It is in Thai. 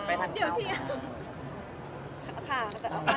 เดี๋ยวสิ